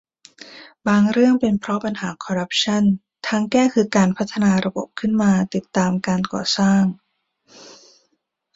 บางเรื่องเป็นเพราะปัญหาคอร์รัปชั่น ทางแก้คือการพัฒนาระบบขึ้นมาติดตามการก่อสร้าง